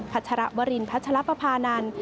พัชระวรินพัชระปะพานาน